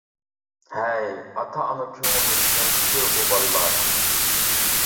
ھەي ئاتا-ئانا كۆڭلىنى چۈشەنسىچۇ بۇ بالىلار.